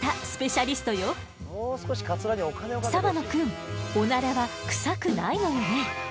澤野くんオナラはクサくないのよね？